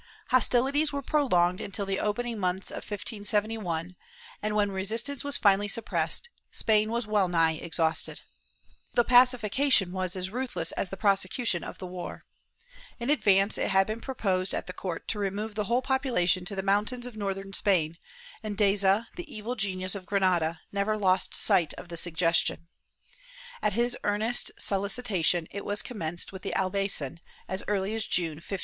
^ Hostilities were prolonged until the opening months of 1571 and, when resistance was finally suppressed, Spain was well nigh exhausted. The pacification Cortes de Cordova del ano de setenta, fol. 13 (AlcaU, 1575). Chap. 11] ORANADA 339 was as ruthless as the prosecution of the war. In advance, it had been proposed at the court to remove the whole population to the mountains of Northern Spain, and Deza, the evil genius of Granada, never lost sight of the suggestion.^ At his earnest soli citation it was commenced with the Albaycin, as early as June, 1569.